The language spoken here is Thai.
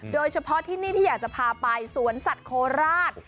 โดยเฉพาะที่นี่ที่อยากจะพาไปสวนสัตว์โคราช